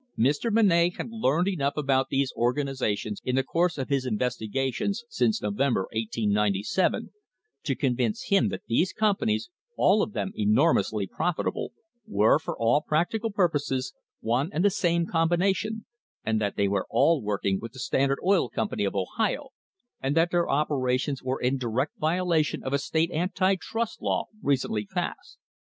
Mr. Monnett had learned enough about these organisations in the course of his investigations since Novem ber, 1897, to convince him that these companies all of them enormously profitable were, for all practical purposes, one and the same combination, and that they were all working with the Standard Oil Company of Ohio, and that their oper ations were in direct violation of a state anti trust law recently [ 262 ] CONCLUSION passed.